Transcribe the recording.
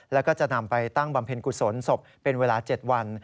แล้วก็จะนำไปตั้งบำเพ็ญกุศลศพเป็นเวลา๗วัน